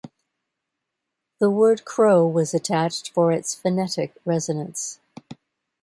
The word "Crow" was attached for its phonetic resonance.